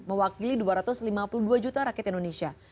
mewakili dua ratus lima puluh dua juta rakyat indonesia